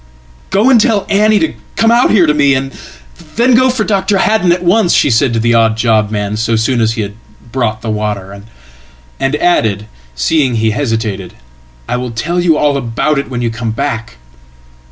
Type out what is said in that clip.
"Go and tell Annie to come out here to me, and then go for Dr. Haddon atonce," she said to the odd job man so soon as he brought the water; andadded, seeing he hesitated, "I will tell you all about it when you comeback."